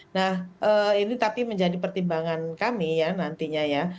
nah ini tapi menjadi pertimbangan kami ya nantinya ya